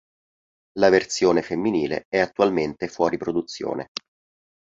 La versione femminile è attualmente fuori produzione.